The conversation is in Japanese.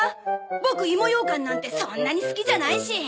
ボクいもようかんなんてそんなに好きじゃないし。